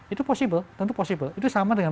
itu possible tentu possible itu sama dengan